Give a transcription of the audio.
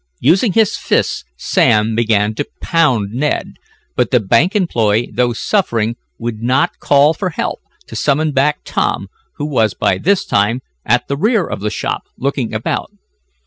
Using his fists Sam began to pound Ned, but the bank employee, though suffering, would not call for help, to summon back Tom, who was, by this time, at the rear of the shop, looking about.